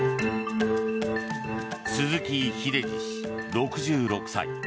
鈴木英司氏、６６歳。